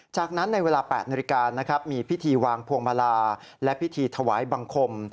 จากนั้นในเวลา๘นาฬิกานะครับมีพิธีวางพวงมาลาและพิธีถวายบังคม